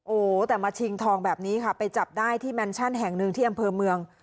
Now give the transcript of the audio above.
โอ้โหแต่มาชิงทองแบบนี้ค่ะไปจับได้ที่แมนชั่นแห่งหนึ่งที่อำเภอเมือง